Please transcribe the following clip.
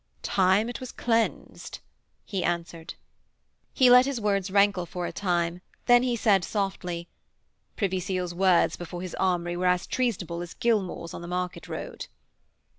'Time it was cleansed,' he answered. He let his words rankle for a time, then he said softly: 'Privy Seal's words before his armoury were as treasonable as Gilmaw's on the market road.'